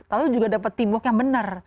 lalu juga dapat teamwork yang benar